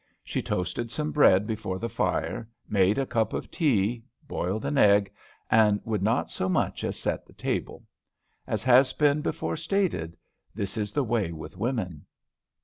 She toasted some bread before the fire, made a cup of tea, boiled an egg, and would not so much as set the table. As has been before stated, this is the way with women.